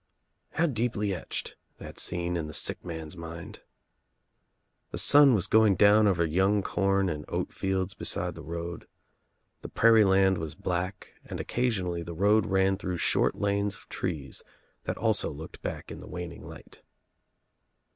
How deeply etched, that scene in the sick man's mind I The sun was going down over young com and oat fields beside the road. The prairie land was black and occasionally the road ran through short lanes of trees that also looked black In the waning light.